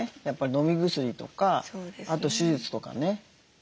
やっぱり飲み薬とかあと手術とかね。